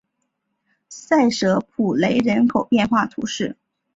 塞舍普雷人口变化图示